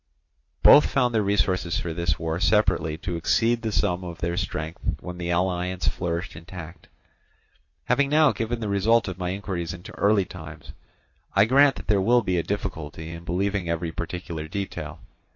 Both found their resources for this war separately to exceed the sum of their strength when the alliance flourished intact. Having now given the result of my inquiries into early times, I grant that there will be a difficulty in believing every particular detail.